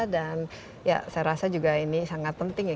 dan ya saya rasa juga ini sangat penting ya